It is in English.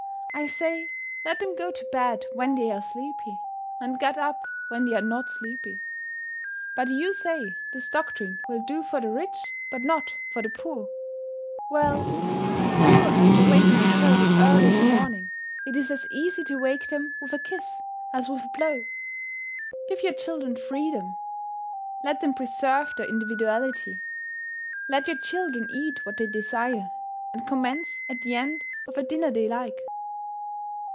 I say let them go to bed when they are sleepy, and get up when they are not sleepy. But you say, this doctrine will do for the rich but not for the poor. Well, if the poor have to waken their children early in the morning it is as easy to wake them with a kiss as with a blow. Give your children freedom; let them preserve their individuality. Let your children eat what they desire, and commence at the end of a dinner they like.